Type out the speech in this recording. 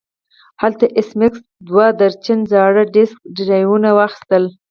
هلته ایس میکس دوه درجن زاړه ډیسک ډرایوونه واخیستل